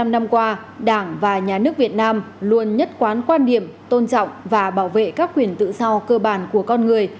bảy mươi năm năm qua đảng và nhà nước việt nam luôn nhất quán quan điểm tôn trọng và bảo vệ các quyền tự do cơ bản của con người